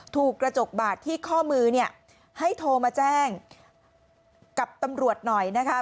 ถูกกระจกบาดที่ข้อมือเนี่ยให้โทรมาแจ้งกับตำรวจหน่อยนะคะ